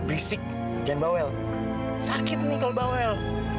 risik jangan bawel sakit nih kalau bawel